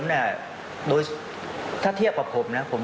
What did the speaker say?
มันมีโอกาสเกิดอุบัติเหตุได้นะครับ